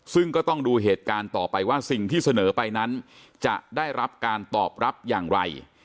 ซึ่งก็ต้องดูเหตุการณ์ต่อไปว่าสิ่งที่เสนอไปนั้นจะได้รับการตอบรับอย่างไร